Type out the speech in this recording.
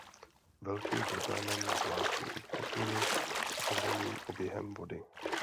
Velkým problémem je zvláště u kotlů s otevřeným oběhem vody.